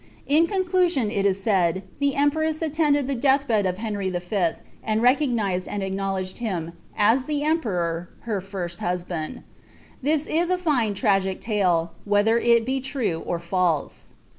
In conclusion it is said, the empress attended the death bed of Henry V., and recognised and acknowledged him, as the emperor, her first husband. This is a fine tragic tale, whether it be true or false.